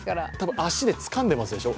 足でつかんでますでしょう？